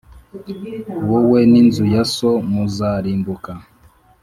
wowe n’inzu ya so muzarimbuka.